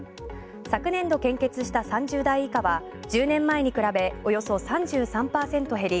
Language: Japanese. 昨年度献血した３０代以下は１０年前に比べおよそ３３％減り